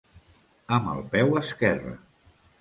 Amb el peu esquerre.